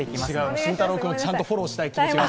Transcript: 慎太郎君をフォローしたい気持ちが。